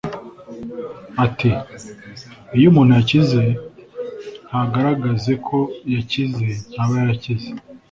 Ati “iyo umuntu yakize ntagaragaze ko yakize ntaba yarakize